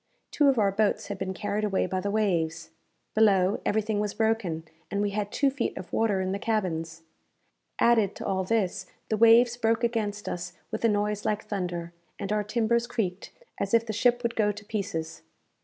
Two of our boats had been carried away by the waves. Below, everything was broken, and we had two feet of water in the cabins. Added to all this, the waves broke against us with a noise like thunder, and our timbers creaked as if the ship would go to pieces.